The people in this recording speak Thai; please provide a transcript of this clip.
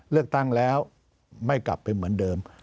เลือกตั้งแล้วไม่กลับไปเหมือนเดิม